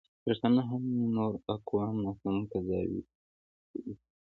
پښتانه هم نور اقوام ناسم قضاوتوي.